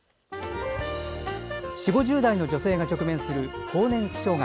４０代、５０代の女性が直面する更年期障害。